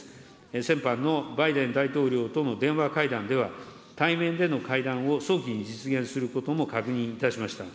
先般のバイデン大統領との電話会談では、対面での会談を早期に実現することも確認いたしました。